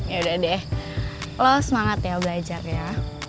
yaudah deh lo semangat ya belajar ya